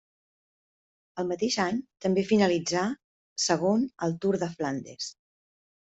El mateix any també finalitzà segon al Tour de Flandes.